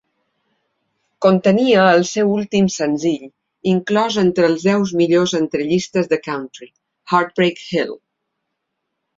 Contenia el seu últim senzill inclòs entre els deu millors entre llistes de country, "Heartbreak Hill".